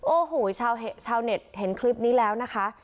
โอ้โหชาวเน็ตเห็นคลิปนี้แล้วนะคะ